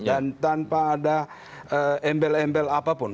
dan tanpa ada embel embel apapun